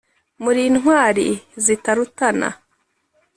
muri intwari zitarutana,